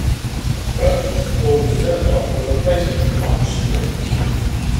Gergis, according to Xenophon, was a place of much strength.